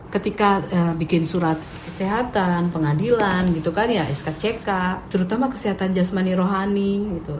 ketika bikin surat kesehatan pengadilan gitu kan ya skck terutama kesehatan jasmani rohani gitu